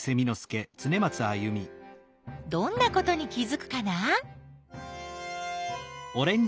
どんなことに気づくかな？